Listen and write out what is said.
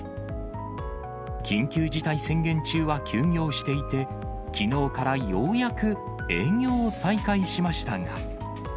緊急事態宣言中は休業していて、きのうからようやく営業を再開しましたが。